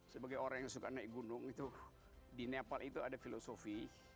sebagai orang yang suka naik gunung itu di nepal itu ada filosofi